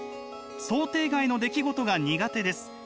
「想定外の出来事が苦手です。